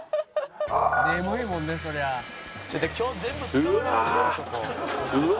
「眠いもんねそりゃ」うわ！